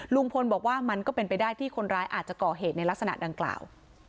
ลุงพลบอกว่ามันก็เป็นไปได้ที่คนร้ายอาจจะก่อเหตุในลักษณะดังกล่าว